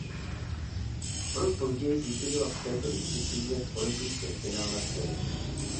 O rok později zvítězila v této disciplíně v olympijském finále v Soulu.